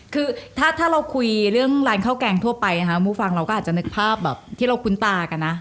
คือถ้าเราคุยเรื่องร้านข้าวแกงทั่วไปนะคะผู้ฟังเราก็อาจจะนึกภาพแบบที่เราคุ้นตากันนะ